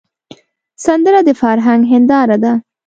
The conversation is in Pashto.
سندره د فرهنګ هنداره ده